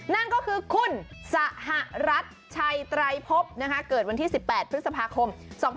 นั่นก็คือคุณสหรัฐชัยไตรพบเกิดวันที่๑๘พฤษภาคม๒๕๖๒